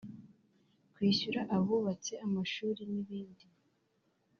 kwishyura abubatse amashuri n’ibindi